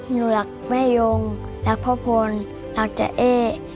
หนูรักแม่ยงรักพ่อพลรักเจ๊เอ๊